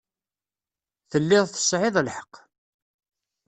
Telliḍ tesɛiḍ lḥeqq.